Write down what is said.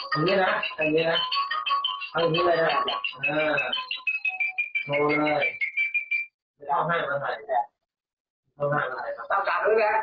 กินไว้ที่บนไปเทียมเลยเข้าเมืองไปเทียมคนเดียวเลย